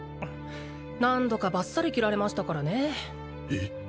何度かバッサリ斬られましたからねえっ